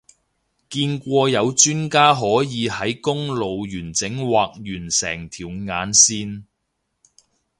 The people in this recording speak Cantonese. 見過有專家可以喺公路完整畫完成條眼線